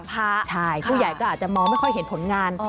ใช่ผู้ใหญ่ก็อาจจะมองไม่ค่อยเห็นผลงาน